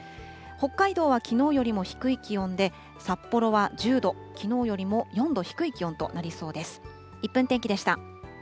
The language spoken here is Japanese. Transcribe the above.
北海道はきのうよりも低い気温で、札幌は１０度、きのうよりも４度低い気温となりそうです。